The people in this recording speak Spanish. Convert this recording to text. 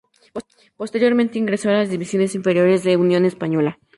Posteriormente, ingresó en las divisiones inferiores de Unión Española.